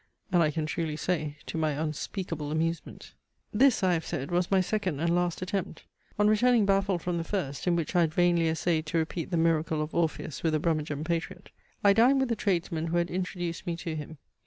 And, I can truly say, to my unspeakable amusement. This, I have said, was my second and last attempt. On returning baffled from the first, in which I had vainly essayed to repeat the miracle of Orpheus with the Brummagem patriot, I dined with the tradesman who had introduced me to him.